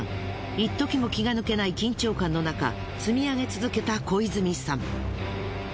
いっときも気が抜けない緊張感のなか積み上げ続けた小泉さん。